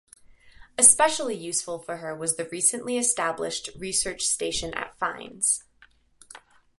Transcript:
Especially useful for her was the recently established research station at Finse.